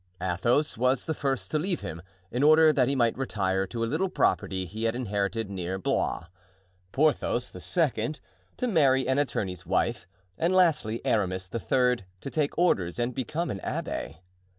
Athos was the first to leave him, in order that he might retire to a little property he had inherited near Blois; Porthos, the second, to marry an attorney's wife; and lastly, Aramis, the third, to take orders and become an abbé.